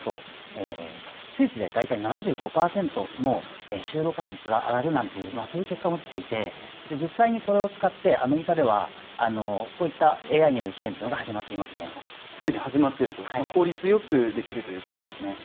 スイスで大体７５％の就労確率が上がるなんていうそういう結果も出ていて実際にこれを使ってアメリカではこういったＡＩによる支援というのが始まっています